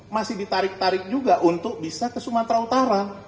masih ditarik tarik juga untuk bisa ke sumatera utara